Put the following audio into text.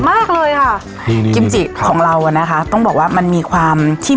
มากเลยค่ะทีนี้กิมจิของเราอ่ะนะคะต้องบอกว่ามันมีความที่